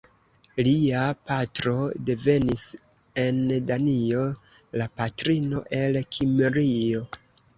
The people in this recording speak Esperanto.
Lia patro devenis en Danio, la patrino el Kimrio.